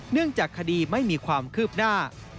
เนื่องจากคดีไม่มีความคืบหน้า